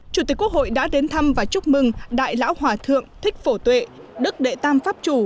chủ tịch quốc hội đã đến thăm và chúc mừng đại lão hòa thượng thích phổ tuệ đức đệ tam pháp chủ